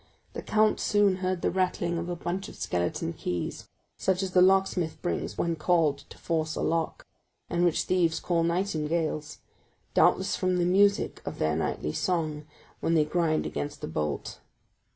The count soon heard the rattling of a bunch of skeleton keys, such as the locksmith brings when called to force a lock, and which thieves call nightingales, doubtless from the music of their nightly song when they grind against the bolt.